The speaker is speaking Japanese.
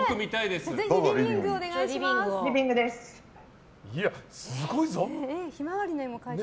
すごいぞ。